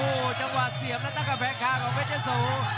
โอ้วโหจังหวาเสียบและตั้งคแร่ใครของเพชรเจ้าโสล็อค